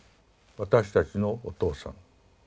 「私たちのお父さん」。